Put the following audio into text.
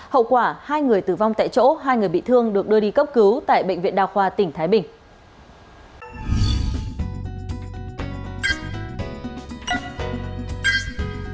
hậu quả hai người tử vong tại chỗ hai người bị thương được đưa đi cấp cứu tại bệnh viện đa khoa tỉnh thái bình